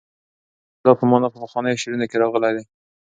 نیز د سیلاب په مانا په پخوانیو شعرونو کې راغلی دی.